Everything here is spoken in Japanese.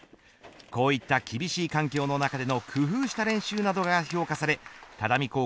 こういった厳しい環境の中での工夫した練習などが評価され只見